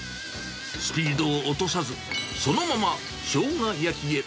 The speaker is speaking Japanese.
スピードを落とさず、そのまましょうが焼きへ。